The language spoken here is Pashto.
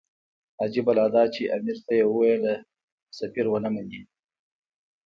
عجیبه لا دا چې امیر ته یې وویل سفیر ونه مني.